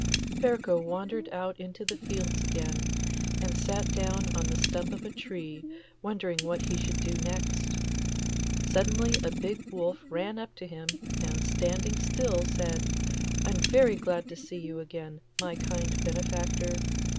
Ferko wandered out into the fields again, and sat down on the stump of a tree wondering what he should do next. Suddenly a big wolf ran up to him, and standing still said, 'I'm very glad to see you again, my kind benefactor.